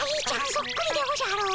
そっくりでおじゃる。